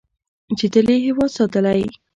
چې تل یې هیواد ساتلی.